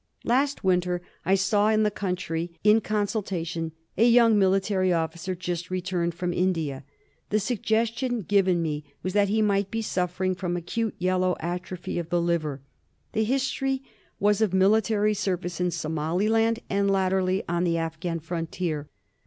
Last winter, I saw in the country, in consultation, a young militar}' officer just returned from India. The suggestion given me was that he might be suffering from acute yellow atrophy of the liver. The history was of military service in Somaliland and latterly on the Afghan Frontier.